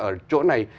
ở chỗ này